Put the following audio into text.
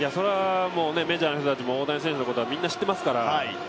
メジャーの人たちも大谷のことはみんな知っていますから。